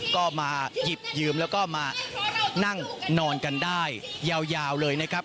ก็มาหยิบยืมแล้วก็มานั่งนอนกันได้ยาวเลยนะครับ